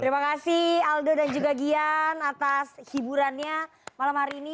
terima kasih aldo dan juga gian atas hiburannya malam hari ini